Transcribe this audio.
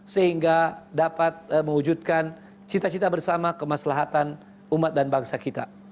sehingga dapat mewujudkan cita cita bersama kemaslahatan umat dan bangsa kita